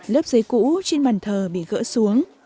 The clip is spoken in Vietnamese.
lớp giấy cũ trên bàn thờ bị gỡ xuống